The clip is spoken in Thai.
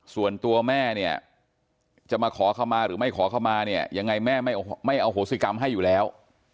ส่วนตัวแม่เนี่ยจะมาขอเข้ามาหรือไม่ขอเข้ามาเนี่ยยังไงแม่ไม่อโหสิกรรมให้อยู่แล้ว